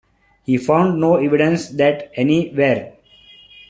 He found no evidence that any were.